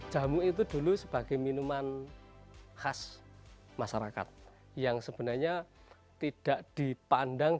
jamu itu dulu sebagai minuman khas masyarakat yang sebenarnya tidak dipandang